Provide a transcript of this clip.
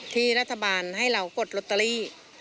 ที่รัฐบาลให้เรากดลอตเตอรี่